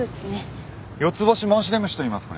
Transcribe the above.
ヨツボシモンシデムシといいますこれ。